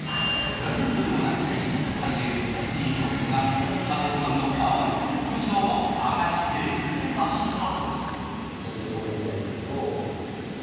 プライベートでも仲がいい俳優・勝地涼さんが加藤さんの可愛すぎる本性を明かしてくれました。